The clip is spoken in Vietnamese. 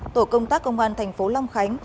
tổ công tác công an thành phố long khánh